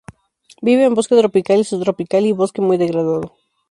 Vive en bosque tropical y subtropical y bosque muy degradado.